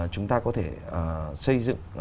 chúng ta có thể xây dựng